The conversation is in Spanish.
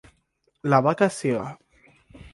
La vaca es ciega.